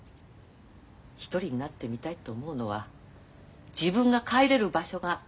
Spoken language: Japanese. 一人になってみたいって思うのは自分が帰れる場所があればこそよ。